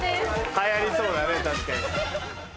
流行りそうだね確かに。